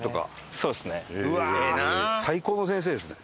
最高の先生ですね。